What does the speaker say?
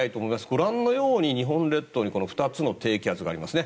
ご覧のように日本列島に２つの低気圧がありますね。